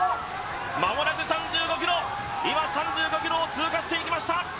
間もなく３５ｋｍ、今３５ｋｍを通過していきました。